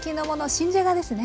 新じゃがですね。